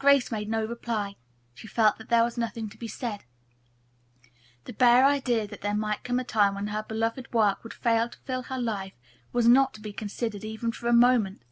Grace made no reply. She felt that there was nothing to be said. The bare idea that there might come a time when her beloved work would fail to fill her life was not to be considered, even for a moment.